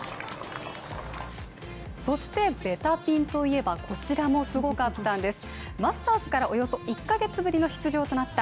そしてべたピンといえば、こちらもすごかったんです